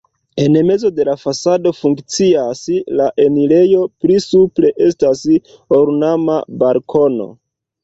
En mezo de la fasado funkcias la enirejo, pli supre estas ornama balkono.